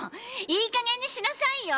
いい加減にしなさいよ！